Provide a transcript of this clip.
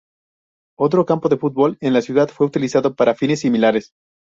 Otro campo de fútbol en la ciudad fue utilizado para fines similares.